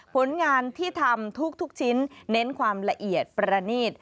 ผลงานที่ทำทุกชิ้นเน้นความละเอียดประณีต